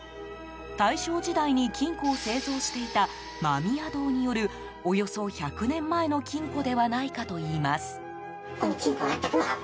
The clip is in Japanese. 大正時代に金庫を製造していた間宮堂によるおよそ１００年前の金庫ではないかといいます。